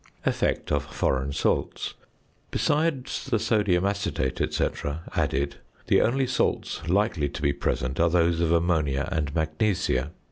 ~Effect of Foreign Salts.~ Besides the sodium acetate, &c., added, the only salts likely to be present are those of ammonia and magnesia.